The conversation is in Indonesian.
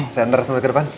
saya andar sampai ke depan